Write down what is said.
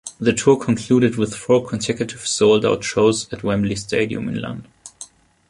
The tour concluded with four consecutive sold-out shows at Wembley Stadium in London.